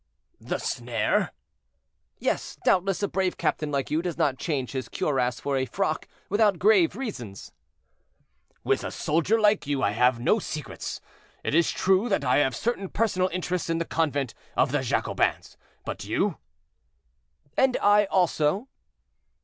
"The snare?" "Yes, doubtless; a brave captain like you does not change his cuirass for a frock without grave reasons." "With a soldier like you, I will have no secrets. It is true that I have certain personal interests in the convent of the Jacobins; but you?" "And I, also."